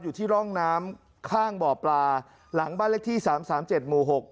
อยู่ที่ร่องน้ำข้างบ่อปลาหลังบ้านเลขที่๓๓๗หมู่๖